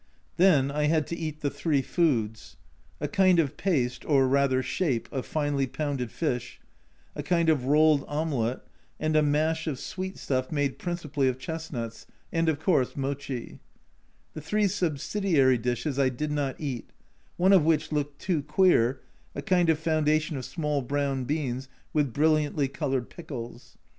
Then I had to eat the three foods. A kind of paste, or rather " shape," of finely pounded fish, a kind of rolled omelette, and a mash of sweet stuff made principally of chestnuts, and, of course, mochL The three subsidiary dishes I did not eat, one of which looked too queer, a kind of foundation of small brown beans with brilliantly coloured pickles.